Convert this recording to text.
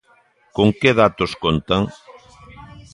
¿Con que datos contan?